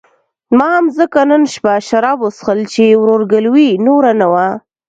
ما هم ځکه نن شپه شراب وڅښل چې ورورګلوي نوره نه وه.